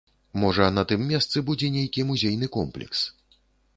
Можа, на тым месцы будзе нейкі музейны комплекс.